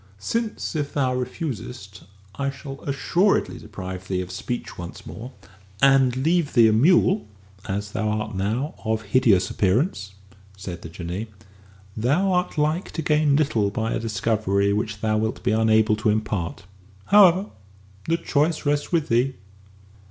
"Since if thou refusest I shall assuredly deprive thee of speech once more and leave thee a mule, as thou art now, of hideous appearance," said the Jinnee, "thou art like to gain little by a discovery which thou wilt be unable to impart. However, the choice rests with thee."